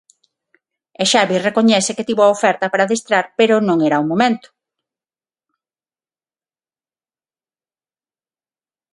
E Xavi recoñece que tivo a oferta para adestrar pero non era o momento.